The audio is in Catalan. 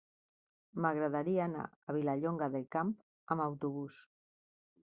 M'agradaria anar a Vilallonga del Camp amb autobús.